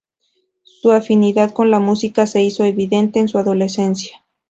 Su afinidad con la música se hizo evidente en su adolescencia.